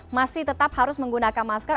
ada yang bilang masih tetap harus menggunakan masker